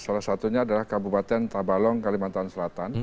salah satunya adalah kabupaten tabalong kalimantan selatan